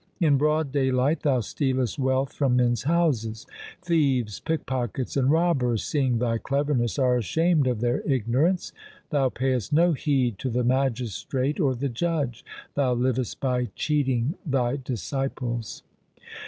In broad daylight thou stealest wealth from men's houses. Thieves, pickpockets, and robbers seeing thy cleverness are ashamed of their ignorance. Thou payest no heed to the magistrate or the judge. Thou livest by cheating thy disciples.